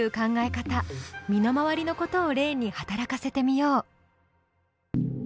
身の回りのことを例に働かせてみよう。